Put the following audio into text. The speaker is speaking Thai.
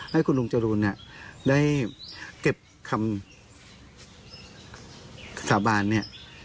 ให้คุณลุงจรูนได้เก็บคำสาบานนี้